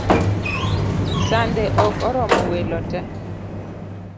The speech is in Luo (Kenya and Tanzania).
Sande ok oromo welo tee